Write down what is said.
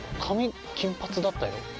髪金髪だったよ。